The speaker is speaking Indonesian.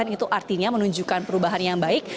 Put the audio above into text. itu artinya menunjukkan perubahan yang baik